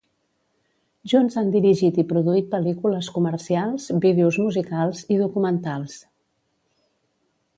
Junts han dirigit i produït pel·lícules, comercials, vídeos musicals i documentals.